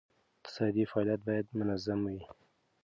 اقتصادي فعالیت باید منظمه وي.